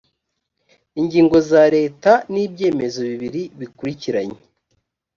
ingingo za leta n’ibyemezo bibiri bikurikiranye